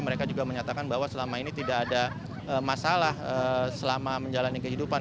mereka juga menyatakan bahwa selama ini tidak ada masalah selama menjalani kehidupan